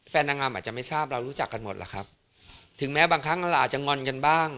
นางงามอาจจะไม่ทราบเรารู้จักกันหมดล่ะครับถึงแม้บางครั้งเราอาจจะงอนกันบ้าง